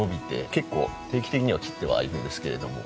結構定期的には切ってはいるんですけども。